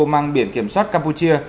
mang biển kiểm soát campuchia